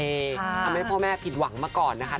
ทำให้พ่อแม่ผิดหวังมาก่อนนะคะ